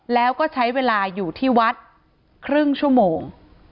แล้วก็ใช้เวลาอยู่ที่วัดครึ่งชั่วโมง